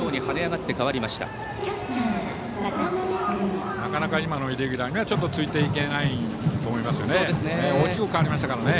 なかなか今のイレギュラーにはついていけないと思いますね。